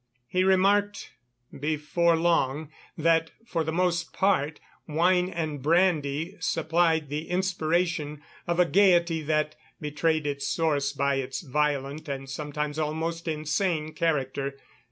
He remarked before long, that, for the most part, wine and brandy supplied the inspiration of a gaiety that betrayed its source by its violent and sometimes almost insane character.